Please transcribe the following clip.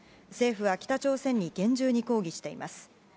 政府は北朝鮮に厳重に抗議しています。